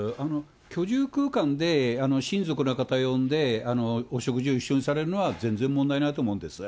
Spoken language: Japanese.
居住空間で親族の方呼んでお食事を一緒にされるのは全然問題ないと思うんです。